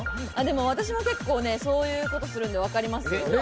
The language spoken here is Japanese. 私も結構そういうことをするんで、わかりますよ。